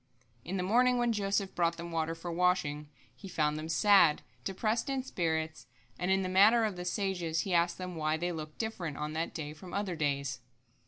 In the morning when Joseph brought them the water for washing, he found them sad, depressed in spirits, and, in the manner of the sages, he asked them why they looked different on that day from other days.